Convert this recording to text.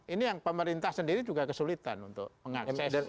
ini yang pemerintah sendiri juga kesulitan untuk mengakses